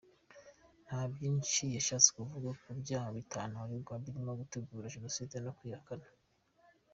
Nta byinshi yashatse kuvuga ku byaha bitanu aregwa birimo gutegura jenoside no kuyihakana.